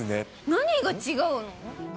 何が違うの？